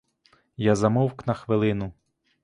Я замовк на хвилину.